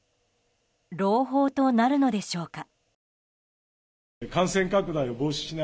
朗報となるのでしょうか。